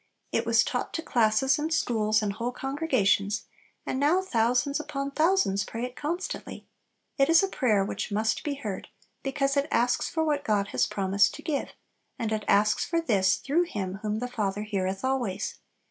It was taught to classes and schools and whole congregations, and now thousands upon thousands pray it constantly. It is a prayer which must be heard, because it asks for what God has promised to give; and it asks for this through Him whom the Father heareth always.